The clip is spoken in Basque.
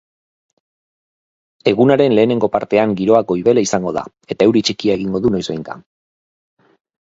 Egunaren lehenengo partean giroa goibela izango da eta euri txikia egingo du noizbehinka.